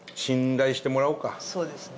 そうですね。